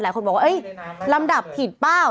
หลายคนบอกว่าลำดับผิดเปล่า